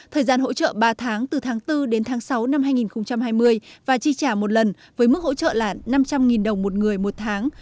thời gian hỗ trợ ba tháng từ tháng bốn đến tháng sáu năm hai nghìn hai mươi và chi trả một lần với mức hỗ trợ là năm trăm linh đồng một người một tháng